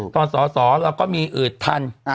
ตอนสสเราก็มีทัน